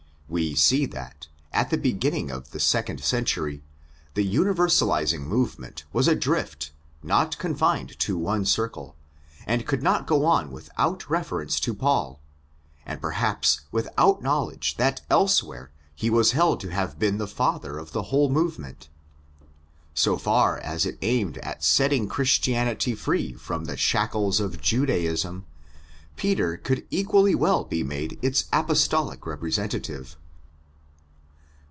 We see that, at the beginning of the second century, the universalising movement was drift not confined to one circle, and could go on without reference to Paul, and perhaps without know ledge that elsewhere he was held to have been the father of the whole movement. So far as it aimed at setting Christianity free from the shackles of Judaism, Peter could equally well be made its apostolic repre sentative.